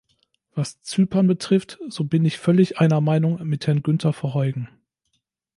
Was Zypern betrifft, so bin ich völlig einer Meinung mit Herrn Günther Verheugen.